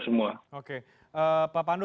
semua oke pak pandu